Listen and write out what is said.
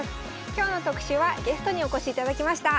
今日の特集はゲストにお越しいただきました。